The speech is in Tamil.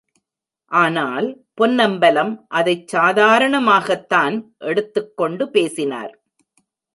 ஆனால், பொன்னம்பலம் அதைச் சாதாரணமாகத்தான் எடுத்துக் கொண்டு பேசினார்.